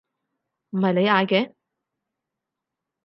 唔係你嗌嘅？